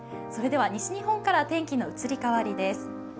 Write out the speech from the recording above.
それでは西日本から天気の移り変わりです。